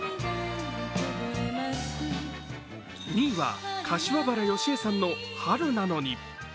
２位は柏原芳恵さんの「春なのに」